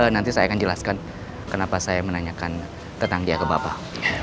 nanti saya akan jelaskan kenapa saya menanyakan tentang dia ke bapak